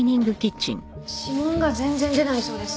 指紋が全然出ないそうです。